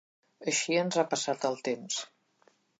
Així ens ha passat el temps.